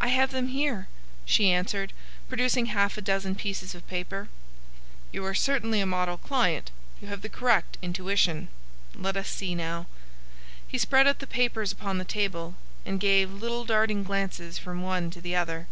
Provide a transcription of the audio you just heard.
"I have them here," she answered, producing half a dozen pieces of paper. "You are certainly a model client. You have the correct intuition. Let us see, now." He spread out the papers upon the table, and gave little darting glances from one to the other.